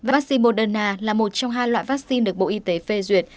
vaccine moderna là một trong hai loại vaccine được bộ y tế phê duyệt